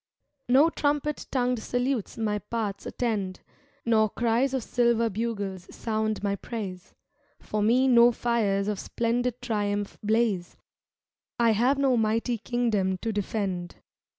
No trumpet tongued salutes my paths attend Nor cries of silver bugles sound my praise ; For me no fires of splendid triumph blaze — I have no mighty kingdom to defend.